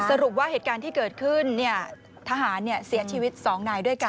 สรุปว่าเหตุการณ์ที่เกิดขึ้นทหารเสียชีวิต๒นายด้วยกัน